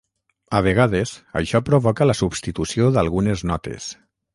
A vegades, això provoca la substitució d'algunes notes.